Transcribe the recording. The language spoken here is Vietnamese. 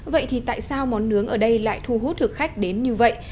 vậy thì tại sao món nướng ở đây lại thu hút thực khách đến như vậy